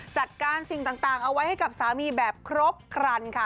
จัดการสิ่งต่างเอาไว้ให้กับสามีแบบครบครันค่ะ